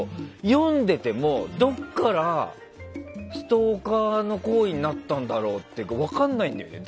読んでても、どっからストーカーの行為になったのか分からないんだよね。